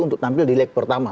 untuk tampil di leg pertama